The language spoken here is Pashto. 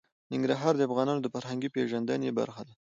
ننګرهار د افغانانو د فرهنګي پیژندنې برخه ده.